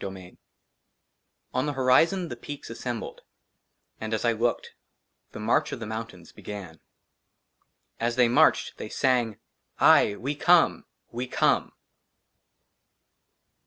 37 \' XXXVII ON THE HORIZON THE PEAKS ASSEMBLED ; AND AS I LOOKED, THE MARCH OF THE MOUNTAINS BEGAN. AS THEY MARCHED, THEY SANG, " AYE ! WE COME ! WE COME